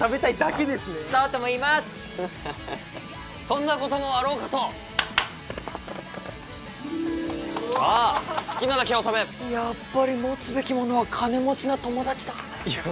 そんなこともあろうかとさあ好きなだけお食べやっぱり持つべきものは金持ちな友達だいや